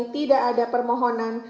tidak ada permohonan